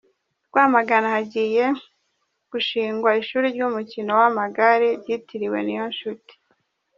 Rwamagana Hagiye gushingwa ishuri ry’umukino w’amagare ryitiriwe Niyonshuti